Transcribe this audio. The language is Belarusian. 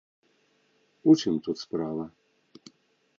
У чым тут справа?